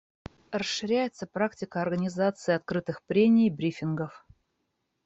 Расширяется практика организации открытых прений и брифингов.